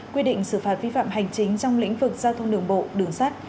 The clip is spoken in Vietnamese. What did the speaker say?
quy định xử phạt vi phạm hành chính trong lĩnh vực giao thông đường bộ đường sắt